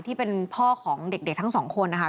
ที่เป็นพ่อของเด็กทั้งสองคนนะคะ